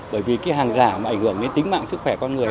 bởi vì cái hàng giả mà ảnh hưởng đến tính mạng sức khỏe con người